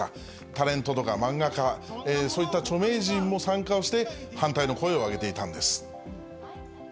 タレントとか漫画家、そういった著名人も参加をして、反対の声を上げていたんです。